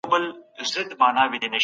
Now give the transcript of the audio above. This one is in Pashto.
کتابونه د سولې سفيران دي.